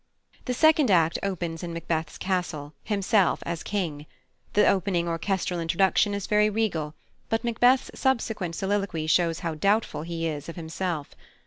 The second act opens in Macbeth's castle, himself as King. The opening orchestral introduction is very regal, but Macbeth's subsequent soliloquy shows how doubtful he is of himself.